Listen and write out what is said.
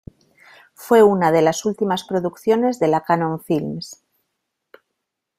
Fue una de las últimas producciones de la Cannon Films.